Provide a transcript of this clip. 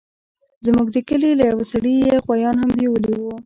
زموږ د کلي له يوه سړي يې غويان هم بيولي وو.